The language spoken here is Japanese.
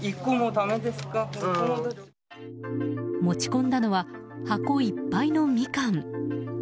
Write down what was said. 持ち込んだのは箱いっぱいのミカン。